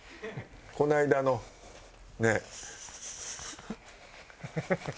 この間の。ねえ。